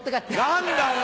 何だよ！